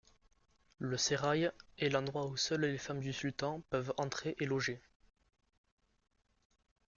Le sérail est l'endroit où seules les femmes du sultan peuvent entrer et loger.